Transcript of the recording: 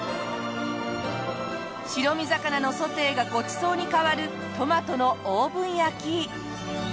白身魚のソテーがごちそうに変わるトマトのオーブン焼き。